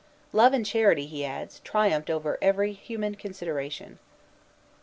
"Love and charity," he adds, "triumphed over every human consideration."